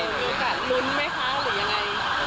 โอกาสลุ้นไหมคะลุ้นยังไง